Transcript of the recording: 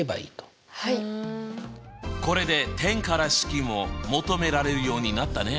これで点から式も求められるようになったね。